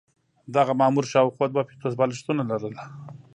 دغه مامور شاوخوا دوه پنځوس بالښتونه لرل.